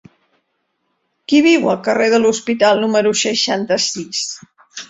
Qui viu al carrer de l'Hospital número seixanta-sis?